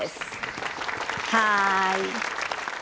はい。